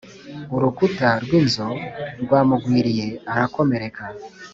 Urukuta rwinzu rwamugwiriye arakomereka